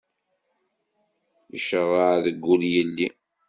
Iceṛṛeɛ deg wur yelli.